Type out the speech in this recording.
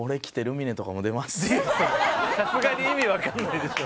さすがに意味わかんないでしょ。